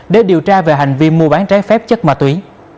để điều tra về hành vi mua bán trái phép chất ma túy